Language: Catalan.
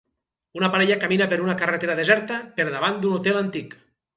Una parella camina per una carretera deserta, per davant d'un hotel antic.